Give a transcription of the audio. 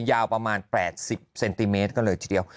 ยาวประมาณ๘๐เซนติเมตรก็เลยทีเดียว